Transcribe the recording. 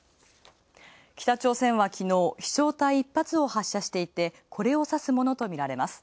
北朝鮮はきのう、飛翔体１発を発射していて、これを指すものとみられる。